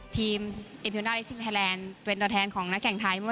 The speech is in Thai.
ทีมเอพิวน่าเอ็กซินไทยแลนด์เป็นตัวแทนของนักแข่งไทยเมื่อ